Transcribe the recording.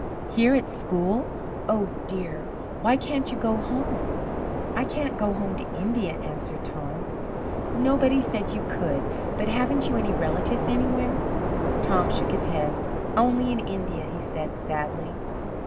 "Here at school oh, dear! Why can't you go home?" "I can't go home to India," answered Tom. "Nobody said you could. But haven't you any relatives anywhere?" Tom shook his head. "Only in India," he said sadly.